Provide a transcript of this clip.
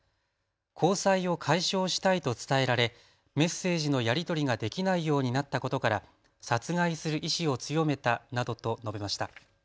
交際を解消したいと伝えられメッセージのやり取りができないようになったことから殺害する意思を強めたなどと述べました。